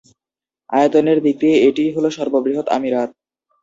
আয়তনের দিক দিয়ে এটিই হলো সর্ববৃহৎ আমিরাত।